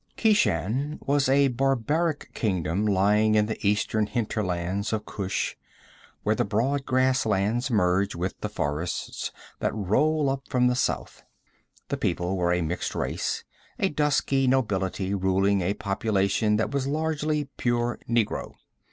Keshan was a barbaric kingdom lying in the eastern hinterlands of Kush where the broad grasslands merge with the forests that roll up from the south. The people were a mixed race, a dusky nobility ruling a population that was largely pure negro.